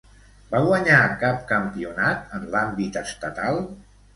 Va guanyar cap campionat en l'àmbit estatal?